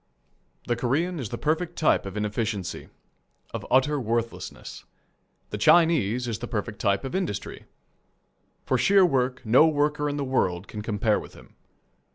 The Korean is the perfect type of inefficiency of utter worthlessness. The Chinese is the perfect type of industry. For sheer work no worker in the world can compare with him.